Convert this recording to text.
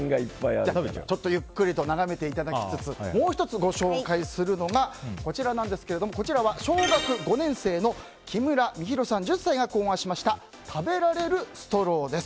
ゆっくりと眺めていただきつつもう１つ、ご紹介するのがこちらは小学５年生の木村美尋さん、１０歳が考案しました食べられるストロー。